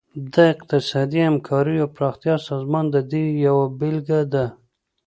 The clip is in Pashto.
د اقتصادي همکارۍ او پراختیا سازمان د دې یوه بیلګه ده